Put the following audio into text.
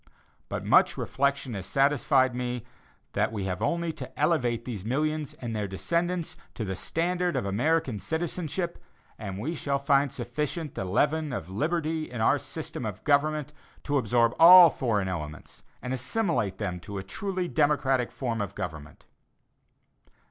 But much reflection has satisfied me that we have only to elevate these millions and their descendants to the standard of American citizenship, and we shall find sufficient of the leaven of liberty in our system of government to absorb all foreign elements and assimilate them to a truly democratic form of government.